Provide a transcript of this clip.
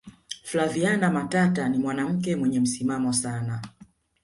flaviana matata ni mwanamke mwenye msimamo sana